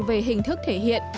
về hình thức thể hiện